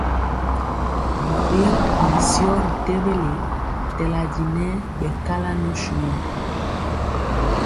Biɗeyɔ ii syɔ ri tewele tɛla di nɛ ɓɛ kala nu swi.